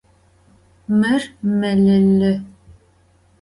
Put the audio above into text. Mır melılı.